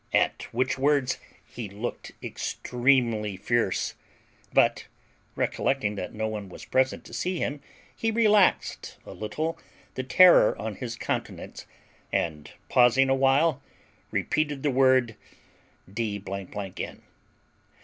At which words he looked extremely fierce, but, recollecting that no one was present to see him, he relaxed a little the terror of his countenance, and, pausing a while, repeated the word, d n!